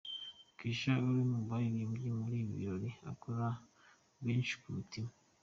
Kesha ari mu baririmbye muri ibi birori akora benshi ku mutima.